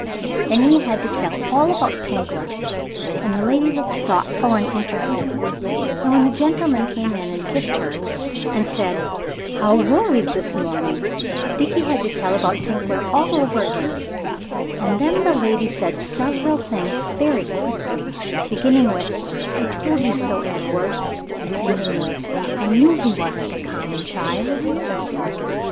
Then he had to tell all about Tinkler, and the lady looked thoughtful and interested; and when the gentleman came in and kissed her, and said, How were we this morning, Dickie had to tell about Tinkler all over again; and then the lady said several things very quickly, beginning with, "I told you so, Edward," and ending with "I knew he wasn't a common child."